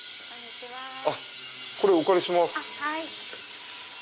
これお借りします。